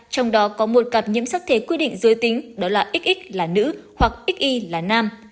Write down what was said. trong đó có một cặp nhiễm sắc thể quyết định dư tính đó là xx là nữ hoặc xy là nam